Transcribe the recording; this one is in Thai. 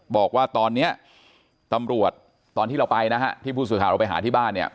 บอกว่าตอนนี้ตำรวจตอนที่เราไปนะฮะที่ผู้สื่อข่าวเราไปหาที่บ้านเนี่ย